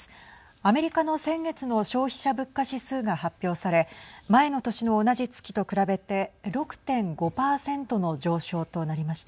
アメリカの先月の消費者物価指数が発表され前の年の同じ月と比べて６．５％の上昇となりました。